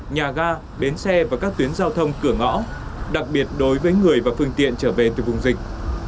nhà ga bến xe và các tuyến giao thông cửa ngõ đặc biệt đối với người và phương tiện trở về từ vùng dịch